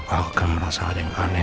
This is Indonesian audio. akan merasa ada yang aneh